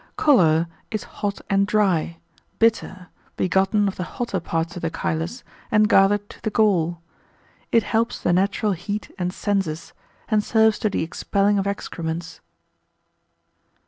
Choler, is hot and dry, bitter, begotten of the hotter parts of the chylus, and gathered to the gall: it helps the natural heat and senses, and serves to the expelling of excrements.